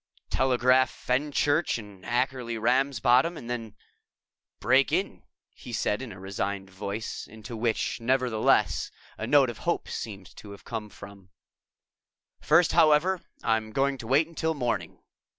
"Telegraph Fenchurch and Ackerly Ramsbottom and then break in," he said in a resigned voice, into which, nevertheless, a note of hope seemed also to have come. "First, however, I'm going to wait until morning."